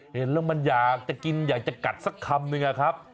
เห็นแล้วมันอยากจะกินอยากจะกัดสักคำนึงอะครับ